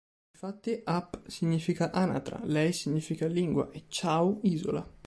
Infatti, "Ap" significa "anatra", "Lei" significa "lingua" e "Chau" "isola".